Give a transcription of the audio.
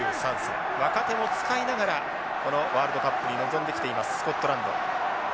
若手を使いながらこのワールドカップに臨んできていますスコットランド。